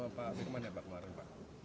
bapak bapak bapak